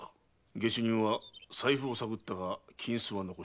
下手人は財布を探ったが金子は残した。